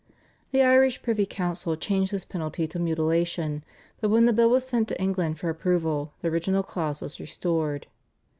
The Irish privy council changed this penalty into mutilation, but when the bill was sent to England for approval the original clause was restored.